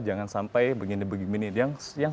jangan sampai begini begini yang